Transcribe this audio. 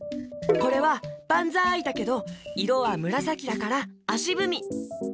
これは「ばんざい」だけどいろはむらさきだからあしぶみ。